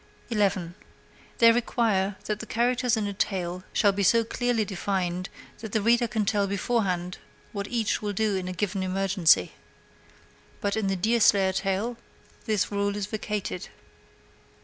11. They require that the characters in a tale shall be so clearly defined that the reader can tell beforehand what each will do in a given emergency. But in the Deerslayer tale this rule is vacated.